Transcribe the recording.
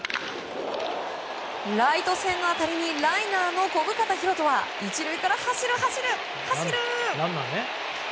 ライト線の当たりにランナーの小深田大翔は１塁から走る、走る、走る！